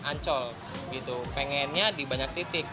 ancol gitu pengennya di banyak titik